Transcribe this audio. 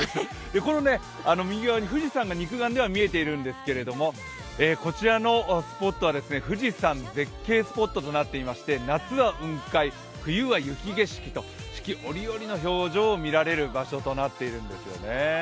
この右側に富士山が肉眼では見えているんですけどこちらのスポットは富士山絶景スポットとなっていまして夏は雲海、冬は雪景色と四季折々の表情が見られる場所となっているんですね。